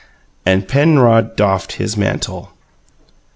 And Penrod doffed his mantle.